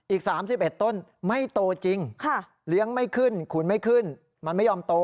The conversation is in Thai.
อีก๓๑ต้นไม่โตจริงเลี้ยงไม่ขึ้นขุนไม่ขึ้นมันไม่ยอมโต